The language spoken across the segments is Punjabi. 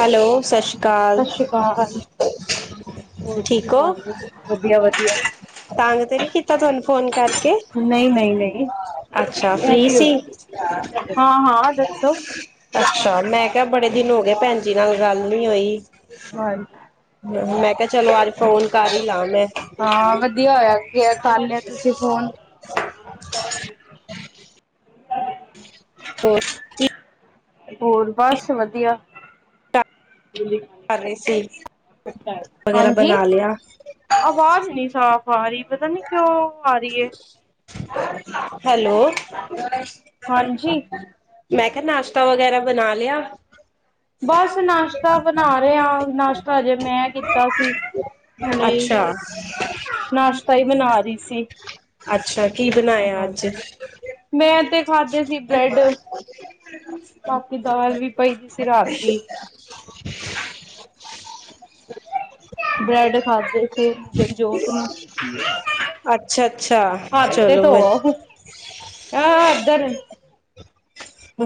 ਹੈਲੋ ਸਤਿ ਸ਼੍ਰੀ ਅਕਾਲ ਸਤਿ ਸ਼੍ਰੀ ਅਕਾਲ। ਹੋਰ ਕੀ ਠੀਕ ਹੋ ਹਾਲ ਜ ਵਧੀਆ ਵਧੀਆ ਤੰਗ ਤੇ ਨੀ ਕੀਤਾ ਤੁਹਾਨੂੰ ਫੋਨ ਕਰਕੇ ਨਹੀਂ ਨਹੀਂ ਨਹੀਂ ਅੱਛਾ ਇਹ ਫ੍ਰਰੀ ਕੀ ਹੋ ਸੀ ਹਾਂ ਹਾਂ ਦੱਸੋ? ਅੱਛਾ ਮੈਂ ਕਿਹਾ ਬੜੇ ਦਿਨ ਹੋ ਗਏ ਭੈਣ ਜੀ ਨਾਲ ਗੱਲ ਨੀ ਹੋਈ। ਹਾਂ ਮੈਂ ਕਿਹਾ ਚਲੋ ਅਜ ਫੋਨ ਕਰ ਹੀ ਲਾ ਮੈਂ ਹਾਂ ਵਧੀਆ ਹੋਇਆ ਕਰ ਲਿਆ, ਤੁਸੀਂ ਫੋਨ ਚ [unintelligible] ਹੋਰ? ਹੋਰ ਬਸ ਵਧੀਆ, ਦੇ ਸੀ ਵਗੈਰਾ ਹਾਂਜੀ। ਬਣਾ ਲਿਆ। ਆਵਾਜ਼ ਨਹੀਂ ਸਾਫ਼ ਆ ਰਹੀ ਪਤਾ ਨੀ ਕਿਉਂ ਆ ਰਹੀ ਹੈ। ਹੈਲੋ ਹਾਂਜੀ ਮੈਂ ਕਿਹਾ ਨਾਸ਼ਤਾ ਵਗੈਰਾ ਬਣਾ ਲਿਆ। ਬਸ ਨਾਸ਼ਤਾ ਬਣਾ ਰਿਹਾ ਨਾਸ਼ਤਾ ਜੇ ਮੈਂ ਕੀਤਾ ਸੀ। ਹੁਣੇ ਅੱਛਾ। ਨਾਸ਼ਤਾ ਈ ਬਣਾ ਰ‌ੀ ਸੀ। ਅੱਛਾ, ਕੀ ਬਨਾਇਆ ਅੱਜ ਹਾਂਜੀ। ਮੈਂ ਤੇ ਖਾਧੇ ਸੀ ਬ੍ਰੈਡ [unintelligible] ਬਾਕੀ ਦਾਲ ਵੀ ਪਈ ਸੀ, ਰਾਤ ਦੀ ਬ੍ਰੈਡ ਖਾਧੇ ਸੀ ਜਗਜੋਤ ਨੂੰ ਅੱਛਾ-ਅੱਛਾ, ਚਲੋ ਵਧ ਆ ਏਧਰ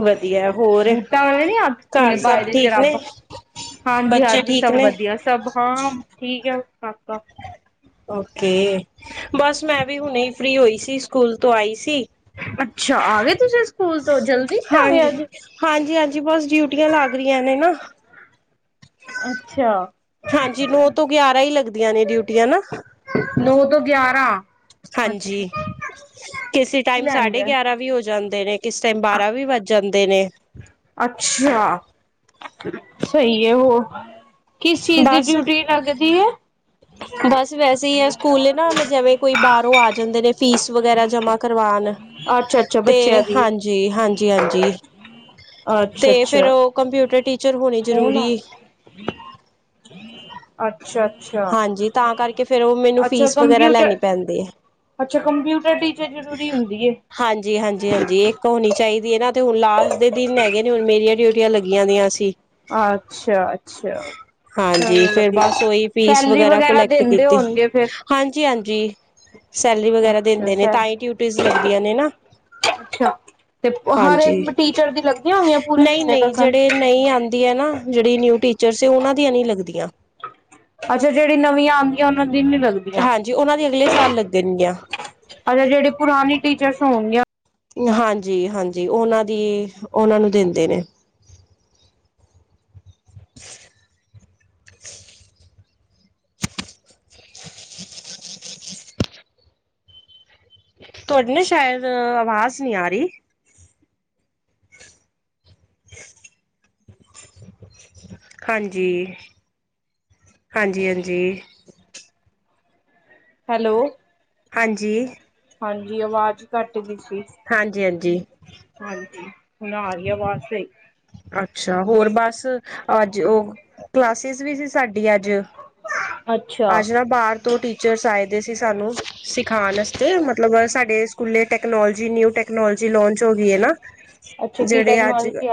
ਵਧੀਆ, ਹੋਰ ਬੂਟਾ ਵਾਲੇ ਘਰ ਸਭ ਠੀਕ ਨੇ? ਬੱਚੇ ਹਾਂਜੀ-ਹਾਂਜੀ, ਠੀਕ ਸਭ ਨੇ ਵਧੀਆ ਸਭ ਹਾਂ ਠੀਕ ਆ। ਕਾਕਾ। ਓਕੇ, ਬਸ ਮੈਂ ਵੀ ਹੁਣੇ ਈ ਫ੍ਰਰੀ ਹੋਈ ਸੀ, ਸਕੂਲ ਤੋਂ ਆਈ ਸੀ। ਅੱਛਾ, ਆ ਗਏ ਤੁਸੀਂ ਸ ਹਾਂਜੀ, ਹਾਂਜੀ-ਹਾਂਜੀ, ਬਸ ਡਿਊਟੀਆਂ ਲੱਗ ਰ‌ੀਆਂ ਨੇ ਨਾ। ਅੱਛਾ। ਹਾਂਜੀ, ਨੋ ਤੋਂ ਗਿਆਰਾਂ ਈ ਲੱਗਦੀਆਂ ਨੇ ਡਿਊਟੀਆਂ ਨਾ। ਨੌ ਤੋਂ ਗਿਆਰਾਂ। ਅੱਛਾ ਹਾਂਜੀ, ਕਿਸੇ ਕੀ ਟਾਈਮ ਲੈਣ ਸਾਢੇ ਗਿਆ ਗਿਆਰਾਂ ਵੀ ਹੋ ਜਾਂਦੇ ਨੇ। ਕਿਸ ਟਾਈਮ ਬਾਰਾਂ ਵੀ ਵੱਜ ਜਾਂਦੇ ਨੇ। ਅੱਛਾ, ਸਹੀ ਐ ਹੋਰ ਕਿਸ ਚੀਜ਼ ਦੀ ਬਸ ਡਿਊਟੀ ਲੱਗਦੀ ਏ? ਬਸ ਵੈਸੇ ਈ ਆ, ਸਕੂਲੇ ਨਾ ਜਿਵੇਂ ਕੋਈ ਬਾਹਰੋਂ ਆ ਜਾਂਦੇ ਨੇ ਫੀਸ ਵਗੈਰਾ ਜਮਾ ਕਰਵਾਣ। ਅੱਛਾ-ਅੱਛਾ, ਬੱਚਿਆਂ ਦੀ ਏ। ਤੇ ਹਾਂਜੀ-ਹਾਂਜੀ, ਅੱਛਾ ਤੇ ਫੇਰ ਅੱਛਾ ਉਹ ਕੰਪਿਊਟਰ ਟੀਚਰ ਹੋਣੀ ਜ਼ਰੂਰੀ [inaudible] ਅੱਛਾ-ਅੱਛਾ, ਹਾਂਜੀ ਤਾਂ ਕਰਕੇ ਫੇਰ ਉਹ ਮੈਨੂੰ ਅੱਛਾ ਫੀਸ ਵਗੈਰਾ ਕੰਪਿਊਟਰ ਲੈਣੀ ਪੈਂਦੀ ਐ। ਅੱਛਾ, ਕੰਪਿਊਟਰ ਟੀਚਰ ਜ਼ਰੂਰੀ ਹੁੰਦੀ ਏ। ਹਾਂਜੀ, ਹਾਂਜੀ, ਹਾਂਜੀ ਇੱਕ ਹੋਣੀ ਚਾਈਦੀ ਏ ਨਾ ਤੇ ਹੁਣ ਲਾਸਟ ਦੇ ਦਿਨ ਹੈਗੇ ਨੇ, ਹੁਣ ਮੇਰੀਆਂ ਡਿਊਟੀਆਂ ਲੱਗੀਆਂ ਦੀਆਂ ਸੀ। ਅੱਛਾ-ਅੱਛਾ, ਹਾਂਜੀ ਚਲੋ ਫੇਰ ਵਧੀਆ। ਬਸ ਉਹੀ ਸੈਲਰੀ ਵਗੈਰਾ ਦਿੰਦੇ ਹੋਣਗੇ ਫੇਰ ਹਾਂਜੀ-ਹਾਂਜੀ, ਸੈਲਰੀ ਵਗੈਰਾ ਅੱਛਾ ਦਿੰਦੇ ਨੇ ਸਰ ਤਾਂ ਈ ਟਿਊਟੀਜ ਲੱਗਦੀਆਂ ਨੇ ਨਾ। ਅੱਛਾ, ਤੇ ਹਰ ਇੱਕ ਹਾਂਜੀ। ਮਟੀਚਰ ਦੀ ਲੱਗੀਆਂ ਹੋਈਆਂ ਪੂਰੇ ਮਹੀਨੇ ਤ ਸਨ। ਨਈ ਆਂਦੀ ਏ ਨਾ ਜਿਹੜੀ ਨਿਊ ਟੀਚਰਸ ਉਹਨਾਂ ਦੀਆਂ ਨੀ ਲੱਗਦੀਆਂ। ਅੱਛਾ, ਜਿਹੜੀ ਨਵੀਂ ਆਂ ਤੇ ਉਹਨਾਂ ਦੀ ਨੀ ਲਗਦੀ। ਹਾਂਜੀ, ਉਹਨਾਂ ਦੀ ਅਗਲੇ ਸਾਲ ਲੱਗਣਗੀਆਂ। ਹਜੇ ਜਿਹੜੇ ਪੁਰਾਣੇ ਟੀਚਰਸ ਹੋਣਗੀਆਂ। ਹਾਂਜੀ-ਹਾਂਜੀ, ਉਹਨਾਂ ਦੀ ਉਹਨਾਂ ਨੂੰ ਦਿੰਦੇ ਨੇ। [inaudible] ਤੁਹਾਡੀ ਨਾ ਸ਼ਾਇਦ, ਆਵਾਜ਼ ਨ‌ਈ ਆ ਰ‌ਈ। ਹਾਂਜੀ, ਹਾਂਜੀ-ਹਾਂਜੀ। ਹੈਲੋ। ਹਾਂਜੀ। ਹਾਂਜੀ, ਆਵਾਜ਼ ਘੱਟ ਗੀ ਸੀ। ਹਾਂਜੀ-ਹਾਂਜੀ। ਹਾਂਜੀ, ਹੁਣ ਆ ਰ‌ਈ ਆ ਵਾਜ ਸਹੀ। ਅੱਛਾ, ਹੋਰ ਬਸ ਅੱਜ ਉਹ ਕਲਾਸਿਸ ਵੀ ਸੀ। ਸਾਡੀ ਅੱਜ ਅੱਛਾ। ਅੱਜ ਨਾ ਬਾਰ ਤੋਂ ਟੀਚਰਸ ਆਏ ਦੇ ਸੀ ਸਾਨੂੰ ਸਿਖਾਣ ਅਸਤੇ ਮਤਲਬ ਸਾਡੇ ਸਕੂਲੇ ਟੈਕਨੋਲੋਜੀ ਨਿਊ ਟੈਕਨੋਲੋਜੀ ਲਾੰਚ ਹੋ ਗਈ ਐ ਨਾ। ਅੱਛਾ ਕੀ ਟੈਕਨੋਲੋਜੀ ਐ।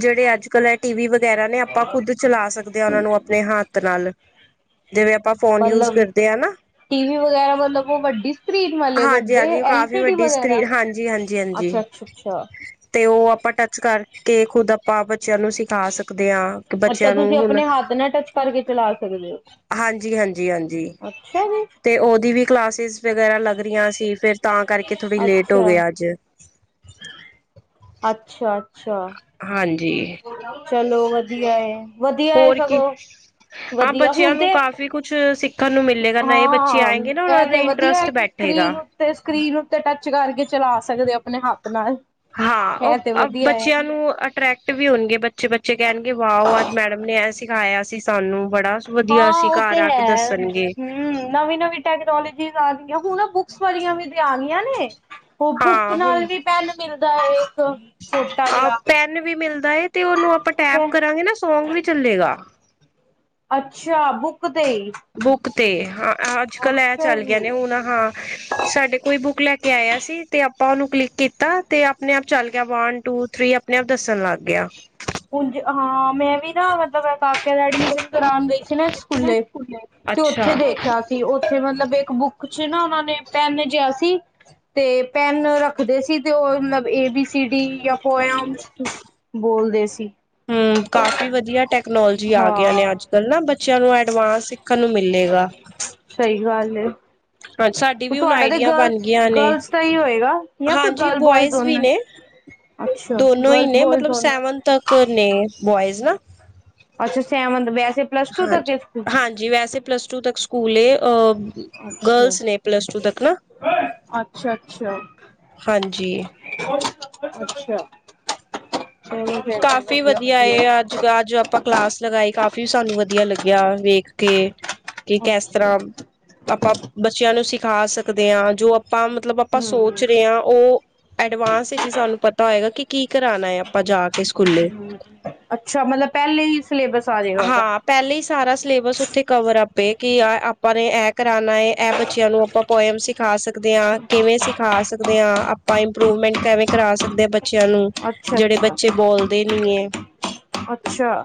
ਜੇੜੇ ਅੱਜ-ਕਲ ਐ ਟੀ ਵੀ ਵ ਵਗੈਰਾ ਨੇ ਆਪਾਂ ਖੁੱਦ ਚਲਾ ਸਕਦੇ ਆ ਉਨਾਂ ਨੂੰ ਅਪਣੇ ਹੱਥ ਨਾਲ। ਜਿਵੇਂ ਆਪਾਂ ਫੋਨ ਯੂਜ ਕਰਦੇ ਆ ਨਾ। ਟੀਵੀ ਵਗੈਰਾ ਮਤਲਬ ਓ ਵੱਡੀ ਸਕਰੀਨ ਵਾਲੇ ਵੱਡੇ ਹਾਂਜੀ-ਹਾਂਜੀ ਐਲ ਕਾਫ਼ੀ ਸੀ ਡੀ ਵੱਡੀ ਸਕਰੀਨ ਵਗੈਰਾ, ਹਾਂਜੀ-ਹਾਂਜੀ, ਹਾਂਜੀ। ਹਾਂਜੀ ਅੱਛਾ। ਛਾ-ਅੱਛਾ। ਤੇ ਓ ਆਪਾਂ ਟੱਚ ਕਰਕੇ ਖੁਦ ਆਪਾਂ ਬੱਚਿਆਂ ਨੂੰ ਸਿੱਖਾਂ ਸਕਦੇ ਆਂ। ਅੱਛਾ ਤੁਸੀਂ ਆਪਣੇ ਹੱਥ ਨਾਲ ਟੱਚ ਕਰਕੇ ਚਲਾ ਸਕਦੇ ਓ। ਹਾਂਜੀ, ਹਾਂਜੀ, ਹਾਂਜੀ, ਤੇ ਓਦੀ ਵੀ ਕਲਾਸਿਸ ਵਗੈਰਾ ਲੱਗ ਰਈਆਂ ਸੀ ਫਿਰ ਤਾਂ ਕਰਕੇ ਥੋੜੀ ਲੇਟ ਓ ਗਏ ਅੱਜ। ਅੱਛਾ-ਅੱਛਾ। ਹਾਂਜੀ। ਚਲੋ ਵਦੀਆ ਏ, ਵਦੀਆ ਏ ਹੋਰ ਕੀ ਸਗੋਂ ਵਦੀਆ ਹੁਣ ਤੇ ਵੀ ਕੁਛ ਸਿੱਖਣ ਨੂੰ ਮਿਲੇਗਾ ਨਯੇ ਬੱਚੇ ਹਾਂ ਆਏਗੇ ਨਾ ਉਨਾਂ ਇਹ ਦਾ ਵਧੀਆ ਹੈ ਇੰਟਰਸਟ ਕਿ ਬੈਠੇਗਾ। ਸਕਰੀਨ ਤੇ ਉੱਤੇ ਸਕਰੀਨ ਉੱਤੇ ਟੱਚ ਕਰਕੇ ਚਲਾ ਸਕਦੇ ਆ ਆਪਣੇ ਹੱਥ ਨਾਲ। ਹਾਂ ਓ ਇਹ ਤੇ ਅ ਵਧੀਆ ਹੈ ਬੱਚਿਆਂ ਨੂੰ ਅਟਰੈਕ ਟ ਵੀ ਹੋਣਗੇ ਬੱਚੇ, ਬੱਚੇ ਕਹਿਣਗੇ ਵਾੳ! ਅੱਜ ਮੈਡਮ ਨੇ ਐ ਸਿਖਾਇਆ ਸੀ ਸਾਨੂੰ ਬੜਾ ਵਧੀਆ ਹਾਂ ਸੀ ਓ ਤੇ ਘਰ ਆ ਕੇ ਹੈ। ਦੱਸਣਗੇ ਹੂੰ, ਨਵੀਂ-ਨਵੀਂ ਟੈਕਨੋਲੋਜੀਜ ਆਨ ਗਿਆਂ, ਹੁਣ ਨਾ ਬੁੱਕਸ ਵਾਲੀਆਂ ਵੀ ਤੇ ਆਣਿਆਂ ਨੇ। ਓ ਬੁੱਕ ਹਾਂ ਹੁਣ ਨਾਲ ਵੀ ਪੈਨ ਮਿਲਦਾ ਏ ਇੱਕ ਛੋਟਾ ਅ ਜਿਆ ਪੈਨ ਵੀ ਮਿਲਦਾ ਏ ਤੇ ਉਨੂੰ ਆਪਾਂ ਟੈਪ ਕਰਾਂਗੇ ਨਾ ਸੌਂਗ ਵੀ ਚੱਲੇਗਾ। ਅੱਛਾ ਬੁੱਕ ਤੇ ਈ। ਬੁੱਕ ਤੇ ਹਾਂ ਅੱਜ-ਕੱਲ ਐ ਚੱਲ ਜੀ ਗਿਆ ਨੇ ਹੁਣ ਹਾਂ ਸਾਡੇ ਕੋਈ ਬੁੱਕ ਲੈ ਕੇ ਆਇਆ ਸੀ ਤੇ ਆਪਾਂ ਉਨੂੰ ਕਲਿੱਕ ਕੀਤਾ ਤੇ ਆਪਣੇ ਆਪ ਚੱਲ ਗਿਆ ਵਨ, ਟੂ, ਥਰੀ ਆਪਣੇ ਆਪ ਦੱਸਣ ਲੱਗ ਗਿਆ। ਉਝ ਹਾਂ ਮੈਂ ਵੀ ਨਾ ਮਤਲਬ ਏ ਕਾਕੇ ਦਾ ਐਡਮਿਸ਼ਨ ਕਰਾਣ ਗਈ ਸੀ ਨਾ ਇੱਕ ਸਕੂਲੇ ਤੇ ਉੱਥੇ ਅੱਛਾ ਦੇਖਿਆ ਤੇ ਉੱਥੇ ਮਤਲਬ ਇੱਕ ਬੁੱਕ ਚ ਨਾ ਉਨਾ ਨੇ ਪੈਨ ਜਿਆ ਸੀ ਤੇ ਪੈਨ ਰੱਖਦੇ ਸੀ ਤੇ ਓ ਮਤਲਬ ਏ, ਬੀ, ਸੀ, ਡੀ ਯਾਂ ਪੋਯਮ ਬੋਲਦੇ ਸੀ। ਹੂੰ, ਕਾਫੀ ਵਦੀਆ ਟੈਕਨੋਲੋਜੀ ਆ ਗਈਆਂ ਹਾਂ ਨੇ ਅੱਜ ਕੱਲ ਨਾ ਬੱਚਿਆਂ ਨੂੰ ਐਡਵਾਂਸ ਸਿੱਖਣ ਨੂੰ ਮਿਲੇਗਾ। ਸਈ ਗੱਲ ਏ। ਹਾਂਜੀ, ਸਾਡੀ ਵੀ ਹੁਣ ਤੁਹਾਡਾ ਤੇ ਆਈਡੀਆ ਬਣ ਗਰਲਸ ਗਈਆਂ ਨੇ। ਗਰਲਸ ਦਾ ਹੀ ਹੋਏਗਾ ਜਾਂ ਫਿਰ ਹਾਂਜੀ, ਗਰਲ ਬੋਇਜ਼ ਵੀ ਦੋਨੋ ਨੇ। ਅੱਛਾ ਦੋਨੋ ਈ ਗਰਲਸ ਨੇ, ਬੋਇਜ਼ ਮਤਲਬ ਦੋਨੋ ਨੇ ਸੈਵੰਥ ਤਕ ਨੇ ਬੁਆਇਜ਼ ਨਾ। ਅੱਛਾ, ਸੈਵੰਥ ਵੇਸ ਹਾਜੀ, ਹਾਂਜੀ ਵੈਸੇ ਪਲੱਸ ਟੂ ਤੱਕ ਸਕੂਲ ਏ ਅੱਛਾ ਗਰਲਸ ਨੇ ਪਲੱਸ ਟੂ ਤੱਕ ਨਾ, ਅੱਛਾ ਅੱਛਾ ਹਾਂਜੀ। ਅੱਛਾ। ਚਲੋ ਫੇਰ ਤੇ ਕਾਫ਼ੀ ਵਧੀਆ ਵਦੀਆ ਵਧੀਆ ਏ ਅੱਜ ਅੱਜ ਆਪਾਂ ਕਲਾਸ ਲਗਾਈ ਕਾਫੀ ਸਾਨੂੰ ਵਦੀਆ ਲੱਗਿਆ ਵੇਖ ਕੇ ਕੇ ਕੈਸ ਅੱਛਾ ਤਰ੍ਹਾਂ ਆਪਾਂ ਬੱਚਿਆਂ ਨੂੰ ਸਿਖਾ ਸਕਦੇ ਆਂ, ਜੋ ਆਪਾਂ ਮਤਲਬ ਆਪਾਂ ਹੂੰ ਸੋਚ ਰਏ ਆਂ ਓ ਐਡਵਾਂਸ ਚ ਈ ਸਾਨੂੰ ਪਤਾ ਹੋਏਗਾ ਕਿ ਕੀ ਕਰਾਣਾ ਏ ਆਪਾਂ ਜਾ ਕੇ ਸਕੂਲੇ, ਹੂੰ ਅੱਛਾ ਮਤਲਬ ਪਹਿਲੇ ਹੀ ਸਿਲੇਬਸ ਆ ਜਾਏਗਾ ਉਹਦਾ ਹਾਂ ਪੈਲੇ ਈ ਸਾਰਾ ਸਿਲੇਬਸ ਉੱਥੇ ਕਵਰ ਅਪ ਏ ਕਿ ਆ ਆਪਾਂ ਨੇ ਐ ਕਰਾਣਾ ਏ ਐ ਬੱਚਿਆਂ ਨੂੰ ਆਪਾਂ ਪੋਇਮ ਸਿਖਾ ਸਕਦੇ ਆਂ ਕਿਵੇਂ ਸਿਖਾ ਸਕਦੇ ਆਂ ਆਪਾਂ ਇੰਪਰੂਵਮੈਂਟ ਕੈਵੇਂ ਕਰਾ ਸਕਦੇ ਬੱਚਿਆਂ ਨੂੰ ਅੱਛਾ ਜੇੜੇ ਬ ਅੱਛਾ ਚੇ ਬੋਲਦੇ ਨੀ ਏ, ਅੱਛਾ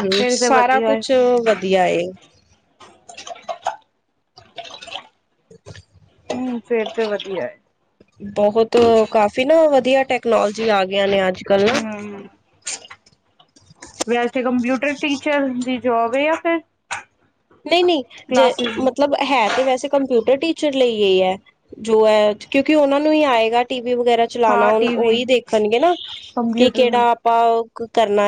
ਹੂੰ ਫੇਰ ਤੇ ਸਾਰਾ ਵਧੀਆ ਏ ਕੁਛ ਸਬ ਵਧੀਆ ਏ। [inaudible] ਹੂੰ ਫੇਰ ਤੇ ਵਧੀਆ ਏ। ਬਹੁਤ ਕਾਫੀ ਨਾ ਵਧੀਆ ਟੈਕਨੋਲੋਜੀ ਆ ਗਿਆਂ ਨੇ ਅੱਜ ਹੂੰ ਵੈਸੇ ਕੰਪਿਊਟਰ ਟੀਚਰ ਦੀ ਜੋਬ ਏ ਯਾਂ ਫਿਰ ਨਹੀਂ-ਨਹੀਂ, ਜੇ ਕਲਾਸਿਸ ਮਤਲਬ ਹੈ ਤੇ ਵੈਸੇ ਕੰਪਿਊਟਰ ਟੀਚਰ ਲਈ ਇਹ ਹੈ। ਜੋ ਐ, ਕਿਉਂਕਿ ਉਹਨਾਂ ਨੂੰ ਹੀ ਆਏਗਾ ਟੀਵੀ ਵਗੈਰਾ ਚਲਾਣਾ, ਹਾਂ ਟੀਵੀ ਉਹੀ ਦੇਖਣਗੇ ਨਾ। ਕਿ ਕੰਪਿਊਟਰ ਕਿਹੜਾ ਵੀ ਆਪਾਂ ਓਹ ਕਰਨਾ,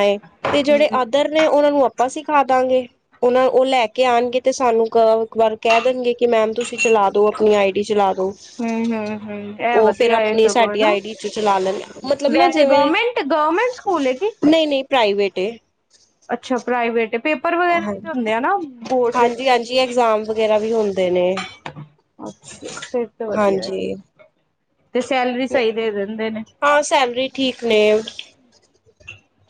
ਤੇ ਜਿਹੜੇ ਹੂੰ ਅ ਇੱਧਰ ਨੇ, ਉਹਨਾਂ ਨੂੰ ਆਪਾਂ ਸਿਖਾਦਾਂਗੇ ਉਹਨਾਂ ਉਹ ਲੈ ਕੇ ਲੈਕੇ ਆਣਗੇ ਤੇ ਸਾਨੂੰ ਇੱਕ ਵਾਰ ਕਹਿ ਦੇਣਗੇ, ਕਿ ਮੈਮ ਤੁਸੀਂ ਚਲਾ ਦੋ ਆਪਣੀ ਆਈਡੀ ਚਲਾ ਦੋ। ਹਮ, ਹਮ, ਹਮ ਇਹ ਉਹ ਫਿਰ ਵਧੀਆ ਇਹ ਆਪਣੀ ਸਭ ਸਾਡੀ ਹਨਾ, ਆਈ ਡੀ ਚ ਚਲਾ ਲੈਣ ਮਤਲਬ ਨਾ ਵੈਸੇ ਗੌਰਮੈਂਟ ਗੌਰਮੈਂਟ ਭੂਲੇਗੀ। ਨਹੀਂ-ਨਹੀਂ, ਪ੍ਰਾਈਵੇਟ ਏ। ਅੱਛਾ, ਪ੍ਰਾਈਵੇਟ ਏ ਪੇਪਰ ਵਗੈਰਾ ਵੀ ਤਾਂ ਹੁੰਦੇ ਆ ਨਾ। ਬੋਰਡ ਦੇ ਹਾਂਜੀ-ਹਾਂਜੀ, ਐਗਜ਼ਾਮ ਵਗੈਰਾ ਵੀ ਹੁੰਦੇ ਨੇ। ਅੱਛਾ, ਫਿਰ ਤਾਂ ਵਧੀਆ ਹਾਂਜੀ ਤੇ ਸੈਲਰੀ ਸਹੀ ਦੇ ਦਿੰਦੇ ਨੇ। ਹਾਂ ਸੈਲਰੀ [unintelligible] ਠੀਕ ਨੇ ਓਹ।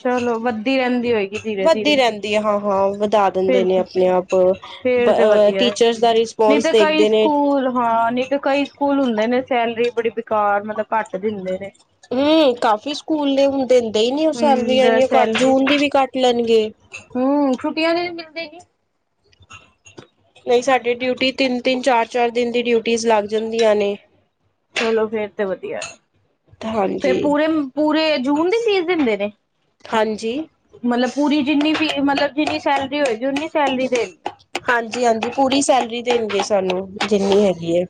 ਚਲੋ, ਵੱਧਦੀ ਰਹਿੰਦੀ ਹੋਏਗੀ। ਧੀਰੇ ਵੱਧਦੀ ਧੀਰੇ ਰਹਿੰਦੀ ਆ ਹਾਂ-ਹਾਂ ਵਧਾ ਦਿੰਦੇ ਫਿਰ ਨੇ, ਤੇ ਆਪਣੇ ਆਪ ਟੀਚਰਸ ਦਾ ਨਈ ਰਿਸਪੋਂਸ ਤਾਂ ਕਈ ਦੇਖਦੇ ਨੇ ਸਕੂਲ ਹਾਂ ਨਈ ਤਾਂ ਕਈ ਸਕੂਲ ਹੁੰਦੇ ਨੇ, ਸੈਲਰੀ ਬੜੀ ਬੇਕਾਰ, ਮਤਲਬ ਘੱਟ ਦਿੰਦੇ ਨੇ। ਹਮ, ਕਾਫੀ ਸਕੂਲ ਨੇ ਹੁਣ ਦਿੰਦੇ ਹੀ ਨੀ ਉਹ ਸੈਲਰੀਆਂ, ਹੂੰ ਇਨੀਆਂ ਕੱਟ ਸੈਲਰੀ ਜੂਨ ਦੀ ਵੀ ਕੱਟ ਲੈਣਗੇ। ਹੂੰ ਛੁੱਟੀਆਂ ਦੇ ਵੀ ਮਿਲਦੇ ਨੀ ਨਹੀਂ, ਸਾਡੇ ਡਿਊਟੀ ਤਿੰਨ-ਤਿੰਨ, ਚਾਰ-ਚਾਰ ਦਿਨ ਦੀ ਡਿਊਟੀਆਂ ਲੱਗ ਜਾਂਦੀਆਂ ਨੇ। ਚਲੋ ਫੇਰ ਤੇ ਵਧੀਆ। ਫੇਰ ਹਾਂਜੀ, ਪੂਰੇ-ਪੂਰੇ ਜੂਨ ਦੀ ਫੀਸ ਦਿੰਦੇ ਨੇ। ਹਾਂਜੀ। ਮਤਲਬ, ਪੂਰੀ ਜਿੰਨੀ ਫੀ ਮਤਲਬ ਜਿੰਨੀ ਸੈਲਰੀ ਹੋਏਗੀ ਓਨੀ ਸੈਲਰੀ ਦੇਣ ਹਾਂਜੀ-ਹਾਂਜੀ, ਪੂਰੀ ਸੈਲਰੀ ਦੇਣਗੇ ਸਾਨੂੰ ਜਿੰਨੀ ਹੈਗੀ ਐ।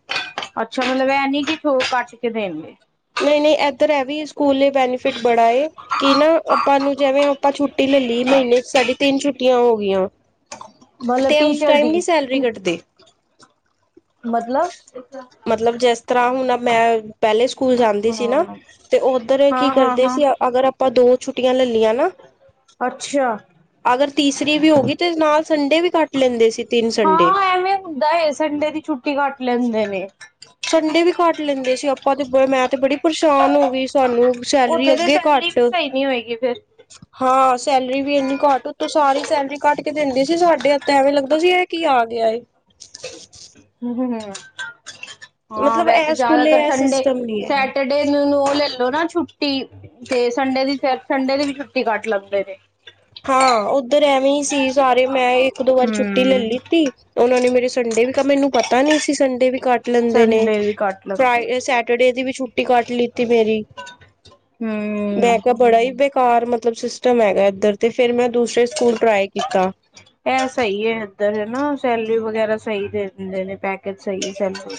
ਅੱਛਾ, ਮਤਲਬ ਇਹ ਨੀ [unintelligible] ਕੱਟ ਕੇ ਦੇਣਗੇ। ਨਹੀਂ-ਨਹੀਂ ਏਧਰ ਹੈ ਵੀ ਸਕੂਲ ਲਈ ਬੈਨੀਫਿਟ ਬੜਾ ਏ। ਕਿ ਨਾ, ਆਪਾਂ ਨੂੰ ਜਿਵੇਂ ਆਪਾਂ ਛੁੱਟੀ ਲੈ ਲਈ ਮਹੀਨੇ'ਚ ਸਾਡੀ ਤਿੰਨ ਛੁੱਟੀਆਂ ਹੋ ਗਈਆਂ। ਮਤਲਬ ਤੇ ਉਸ ਟੀਚਰ ਟਾਈਮ ਦੀ ਨਹੀਂ ਸੈਲਰੀ ਕਟਦੇ ਮਤਲਬ ਮਤਲਬ ਜਿਸ ਤਰ੍ਹਾਂ ਹੁਣ ਮੈਂ ਪਹਿਲੇ ਸਕੂਲ ਜਾਂਦੇ ਸੀ ਨਾ ਹਾਂ ਤੇ ਉਧਰ ਕੀ ਹਾਂ ਹਾਂ ਕਰਦੇ ਹਾਂ ਸੀ ਅਗਰ ਆਪਾਂ ਦੋ ਛੁੱਟੀਆਂ ਲੈ ਲਈਆਂ ਨਾ ਅੱਛਾ ਅਗਰ ਤੀਸਰੀ ਵੀ ਹੋ ਗਈ ਤੇ ਨਾਲ ਸੰਡੇ ਵੀ ਕੱਟ ਲੈਂਦੇ ਸੀ ਤਿੰਨ ਸੰਡੇ ਹਾਂ ਐਵੇਂ ਹੁੰਦਾ ਹੈ ਸੰਡੇ ਦੀ ਛੁੱਟੀ ਕੱਟ ਲੈਂਦੇ ਨੇ ਸੰਡੇ ਵੀ ਕੱਟ ਲੈਂਦੇ ਸੀ ਆਪਾਂ ਤੇ ਬ ਮੈਂ ਤੇ ਬੜੀ ਪਰੇਸ਼ਾਨ ਹੋ ਗਈ ਸਾਨੂੰ ਸੈਲਰੀ ਉੱਥੇ ਤੇ ਅੱਗੇ ਸੈਲਰੀ ਘੱਟ ਵੀ ਸਹੀ ਨੀ ਹੋਏਗੀ ਫੇਰ ਹਾਂ, ਸੈਲਰੀ ਵੀ ਇੰਨੀ ਘੱਟ ਉਤੋਂ ਸਾਰੀ ਸੈਲਰੀ ਕਟ ਕੇ ਦਿੰਦੀ ਸੀ ਸਾਡੇ ਐਵੇਂ ਲੱਗਦਾ ਸੀ, ਇਹ ਕੀ ਆ ਗਿਆ ਏ। ਹੂੰ ਹੂੰ ਹੂੰ ਹਾਂ ਮਤਲਬ ਵੈਸੇ ਇਹ ਸਕੂਲੇ ਜ਼ਿਆਦਾਤਰ ਇਹ ਸਿਸਟਮ ਨੀ ਹੈ ਸੰਡੇ-ਸੈਟਰਡੇ ਸੰਡੇ ਨੂੰ ਨੂੰ ਉਹ ਲੈ ਲੋ ਨਾ ਛੁੱਟੀ, ਤੇ ਸੰਡੇ ਦੀ ਫਿਰ ਸੰਡੇ ਦੀ ਵੀ ਛੁੱਟੀ ਕੱਟ ਲੈਂਦੇ ਨੇ। ਹਾਂ, ਉੱਧਰ ਐਵੇਂ ਹੀ ਸੀ ਸਾਰੇ, ਮੈਂ ਇੱਕ-ਦੋ ਵਾਰ ਛੁੱਟੀ ਲੈ ਹੂੰ ਲਿੱਤੀ ਉਹਨਾਂ ਨੇ ਮੇਰੇ ਸੰਡੇ ਵੀ, ਮੈਨੂੰ ਪਤਾ ਨੀ ਸੀ ਸੰਡੇ ਵੀ ਕੱਟ ਲੈਂਦੇ ਨੇ, ਸੰਡੇ ਵੀ ਕੱਟ ਲੈਂਦੇ ਫਰਾਈ-ਸੈਟਰਡੇ ਦੀ ਵੀ ਛੁੱਟੀ ਕੱਟ ਲਿੱਤੀ ਮੇਰੀ। ਮੈਂ ਹੂੰ। ਕਿਹਾ ਬੜਾ ਹੀ ਬੇਕਾਰ, ਮਤਲਬ ਸਿਸਟਮ ਹੈਗਾ ਇੱਧਰ ਤੇ ਫੇਰ ਮੈਂ ਦੂਸਰੇ ਸਕੂਲ ਟਰਾਈ ਕੀਤਾ। ਇਹ ਸਹੀ ਹੈ, ਇੱਧਰ ਹੈਨਾ, ਸੈਲਰੀ ਵਗੈਰਾ ਸਹੀ ਦੇ ਦਿੰਦੇ ਨੇ, ਪੈਕੇਜ ਸਹੀ ਹੈ ਸੈਲਰੀ।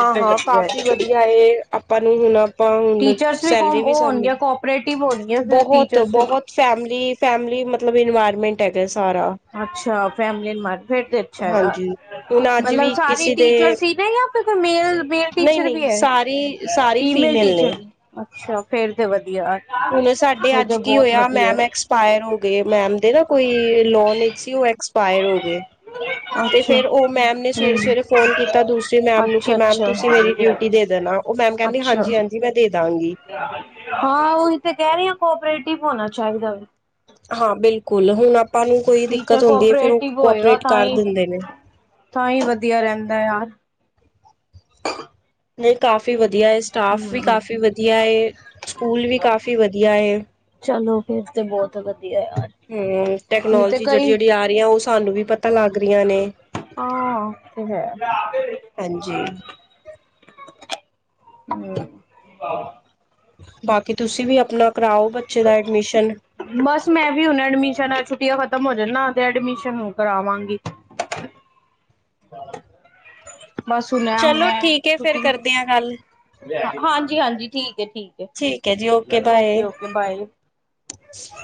ਉਹ ਤੇ ਵਧੀਆ ਕਾਫ਼ੀ ਹੈ। ਵਧੀਆ ਏ, ਆਪਾਂ ਨੂੰ ਹੁਣ ਤਾਂ ਹੁਣ ਟੀਚਰਸ ਕੋ ਸੈਲਰੀ ਵੀ ਉਹ ਸਾਨੂੰ ਹੋਣਗੀਆਂ ਮਿਲ ਕੋਪਰੇਟਿਵ ਹੋਣਗੀਆਂ ਫਿਰ ਟੀਚਰਸ ਬਹੁਤ-ਬਹੁਤ ਫੈਮਿਲੀ, ਫੈਮਿਲੀ ਮਤਲਬ ਇਨਵਾਇਰਮੈਂਟ ਹੈਗਾ ਸਾਰਾ। ਅੱਛਾ, ਫੈਮਲੀ ਇੰਵਾਇਰ ਫਿਰ ਤੇ ਅੱਛਾ, ਹਾਂਜੀ ਹੁਣ ਅੱਜ ਮਤਲਬ ਵੀ ਸਾਰੇ ਕਿਸੇ ਦੇ ਟੀਚਰ ਹੀ ਨੇ ਜਾਂ ਮੇਲ-ਮੇਲ ਟੀਚਰ ਵੀ ਨਹੀਂ-ਨਹੀਂ ਹੈ, ਸਾਰੀ-ਸਾਰੀ ਫੀਮੇਲ ਨੇ। ਟੀਚਰ ਅੱਛਾ ਫੇਰ ਤੇ ਵਧੀਆ ਹੁਣ ਸਾਡੇ ਫੇਰ ਅੱਜ ਤੇ ਕੀ ਬਹੁਤ ਹੋਇਆ, ਵਧੀਆ ਮੈਮ ਐਕਸਪਾਇਰ ਹੋ ਗਏ, ਮੈਮ ਦੇ ਨਾ ਕੋਈ ਲੋਨ ਵਿੱਚ ਸੀ, ਉਹ ਐਕਸਪਾਇਰ ਹੋ ਗਏ ਤੇ ਅੱਛਾ ਫੇਰ ਉਹ ਮੈਮ ਨੇ ਸਵੇਰੇ ਨਹੀਂ ਸਵੇਰੇ ਫੋਨ ਕੀਤਾ, ਦੂਸਰੀ ਮੈਮ ਨੂੰ ਕਿ ਅੱਛਾ ਮੈਮ ਅੱਛਾ ਤੁਸੀਂ ਮੇਰੀ ਡਿਊਟੀ ਟੀ ਦੇ ਦੇਣਾ ਉਹ ਮੈਮ ਕਹਿੰਦੀ, ਅੱਛਾ ਹਾਂਜੀ ਹਾਂਜੀ ਮੈਂ ਦੇ ਦਾਂਗੀ ਹਾਂ ਉਹੀ ਤੇ ਕਹਿ ਰਹੀ ਹੈ, ਕੋਪਰੇਟਿਵ ਹੋਣਾ ਚਾਹੀਦਾ ਵੀ ਹਾਂ ਬਿਲਕੁਲ, ਹੁਣ ਆਪਾਂ ਨੂੰ ਕੋਈ ਟੀਚਰ ਦਿੱਕਤ ਹੁੰਦੀ ਹੈ ਫਿਰ ਉਹ ਕੋਪਰੇਟਿਵ ਹੋਏਗਾ ਕੋਪਰੇਟ ਤਾਂ ਕਰ ਹੀ ਦਿੰਦੇ ਨੇ ਤਾਂ ਹੀ ਵਧੀਆ ਰਹਿੰਦਾਂ ਯਾਰ [unintelligible] ਨਹੀਂ ਕਾਫ਼ੀ ਵਧੀਆ ਹੈ, ਸਟਾਫ ਵੀ ਹਮ ਕਾਫ਼ੀ ਵਧੀਆ ਹੈ, ਸਕੂਲ ਵੀ ਕਾਫ਼ੀ ਵਧੀਆ ਹੈ। ਚਲੋ, ਫੇਰ ਤੇ ਬਹੁਤ ਵਧੀਆ ਯਾਰ ਹੂ, ਨਹੀਂ ਤੇ ਟੈਕਨੋਲੋਜੀ ਜਿਹੜੀ ਕਈ ਜਿਹੜੀ ਆ ਰਹੀ ਆ, ਉਹ ਸਾਨੂੰ ਵੀ ਪਤਾ ਲੱਗ ਰਹੀਆਂ ਨੇ ਹਾਂ, ਤੇ ਹੈ ਹਾਂਜੀ ਹਮ [unintelligible] ਬਾਕੀ ਤੁਸੀਂ ਵੀ ਆਪਣਾ ਕਰਾਓ, ਬੱਚੇ ਦਾ ਐਡਮਿਸ਼ਨ ਬਸ ਮੈਂ ਵੀ ਹੁਣ ਐਡਮਿਸ਼ਨ, ਛੁੱਟੀਆਂ ਖ਼ਤਮ ਹੋ ਜਾਂਦਾ ਤੇ ਐਡਮਿਸ਼ਨ ਕਰਾਵਾਂਗੀ ਬਸ ਹੁਣ ਐ, ਹੁਣ ਚਲੋ ਐ ਠੀਕ ਹੈ ਫੇਰ ਛੁੱਟੀ ਕਰਦੇ ਆ ਗੱਲ ਹਾਂਜੀ ਹਾਂਜੀ, ਠੀਕ ਹੈ, ਠੀਕ ਹੈ, ਓਕੇ ਓਕੇ ਬਾਏ [unintelligible]